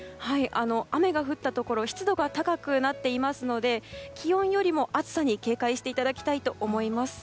雨が降ったところ湿度が高くなっているので気温よりも暑さに警戒していただきたいと思います。